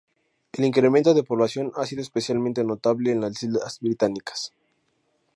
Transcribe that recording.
El incremento de población ha sido especialmente notable en las islas británicas.